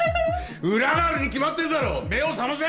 裏があるに決まってるだろう目を覚ませ！